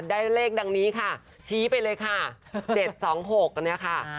ได้เลขดังนี้ค่ะชี้ไปเลยค่ะ๗๒๖เนี่ยค่ะ